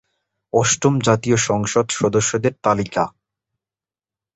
অষ্টম জাতীয় সংসদ সদস্যদের তালিকা